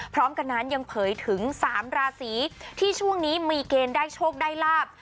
พร้อมกันนั้นยังเผยถึง๓ราศีที่ช่วงนี้มีเกณฑ์ได้โชคได้ลาบ